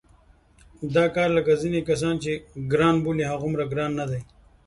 دا کار لکه ځینې کسان چې ګران بولي هغومره ګران نه دی.